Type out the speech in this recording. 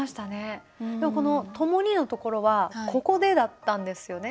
この「ともに」のところは「ここで」だったんですよね。